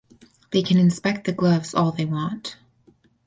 They can inspect the gloves all they want.